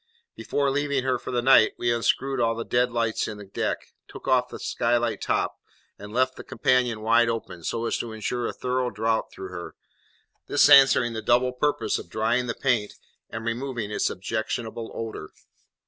Before leaving her for the night, we unscrewed all the dead lights in the deck, took off the skylight top, and left the companion wide open, so as to ensure a thorough draught through her, this answering the double purpose of drying the paint and removing its objectionable odour.